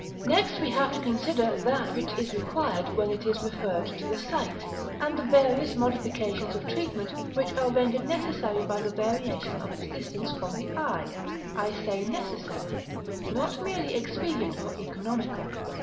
Next we have to consider that which is required when it is referred to the sight, and the various modifications of treatment which are rendered necessary by the variation of its distance from the eye. I say necessary: not merely expedient or economical.